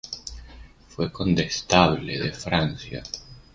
Fue condestable de Francia.